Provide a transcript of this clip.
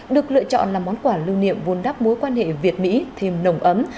được lựa chọn là món quà lưu niệm vun đắp mối quan hệ việt mỹ thêm nồng ấm